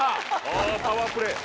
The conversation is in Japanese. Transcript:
おパワープレイ。